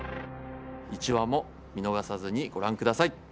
１話も見逃さずにご覧ください。